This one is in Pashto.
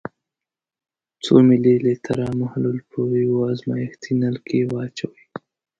څو ملي لیتره محلول په یو ازمیښتي نل کې واچوئ.